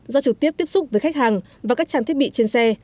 do trực tiếp tiếp xúc với khách hàng và các trang thiết bị trên xe